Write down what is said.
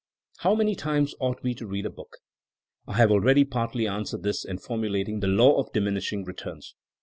How many times ought we to read a book? I have already partly answered this in formulat ing the law of diminishing returns.